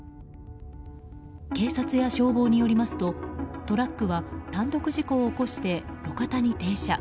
警察や消防によりますとトラックは単独事故を起こして路肩に停車。